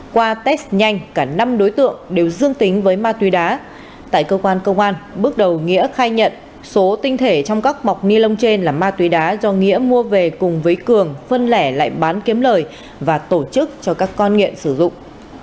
qua test nhanh cả năm đối tượng đều dương tính với ma túy đá tại cơ quan công an bước đầu nghĩa khai nhận số tinh thể trong các bọc ni lông trên là ma túy đá do nghĩa mua về cùng với cường phân lẻ lại bán kiếm lời và tổ chức cho các con nghiện sử dụng